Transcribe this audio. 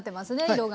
色が。